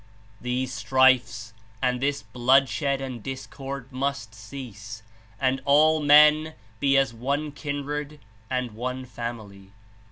"These strifes and this bloodshed and discord must cease, and all men be as one kindred and one family."